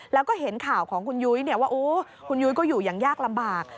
แล้วก็เห็นข่าวของคุณยุ้ยว่าคุณยุ้ยก็อยู่อย่างยากลำบาก